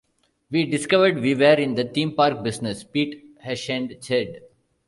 "We discovered we were in the theme park business," Pete Herschend said.